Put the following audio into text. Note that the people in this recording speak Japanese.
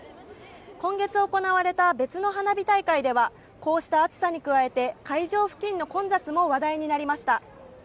今月行われた別の花火大会ではこうした暑さに加えて、会場付近の混雑も話題になりました。